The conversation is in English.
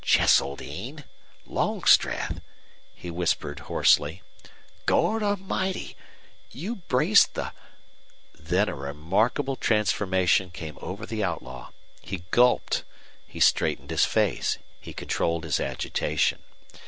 "Cheseldine Longstreth!" he whispered, hoarsely. "Gord Almighty! You braced the " Then a remarkable transformation came over the outlaw. He gulped; he straightened his face; he controlled his agitation.